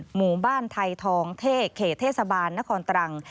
หมู่บ้านไทยทองเท่เขตเทศบาลนครตรัง